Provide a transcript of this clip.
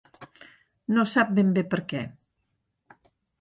No sap ben bé per què.